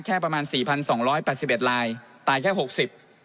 แค่ประมาณ๔๒๘๑นาฬิกาตายมาก๖๐นาฬิกา